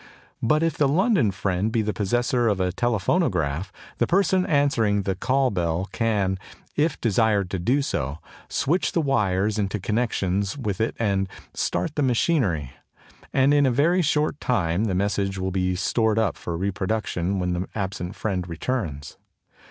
But if the London friend be the possessor of a Telephonograph, the person answering the call bell can, if desired to do so, switch the wires into connection with it and start the machinery; and in a very short time the message will be stored up for reproduction when the absent friend returns.